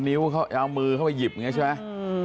เกิดเอามือเข้าไปหยิบใช่ไหม